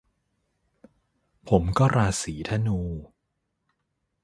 ผมก็ราศีธนู